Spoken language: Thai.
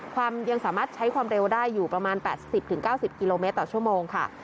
ยังสามารถใช้ความเร็วได้อยู่ประมาณ๘๐๙๐กิโลเมตรต่อชั่วโมงค่ะ